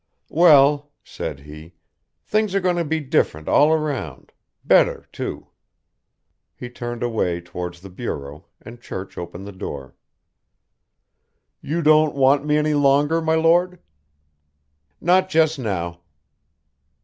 "Well," said he. "Things are going to be different all round; better too." He turned away towards the bureau, and Church opened the door. "You don't want me any longer, my Lord?" "Not just now."